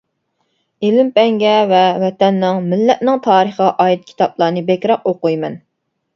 ئىلىم-پەنگە ۋە ۋەتەننىڭ، مىللەتنىڭ تارىخىغا ئائىت كىتابلارنى بەكرەك ئوقۇيمەن.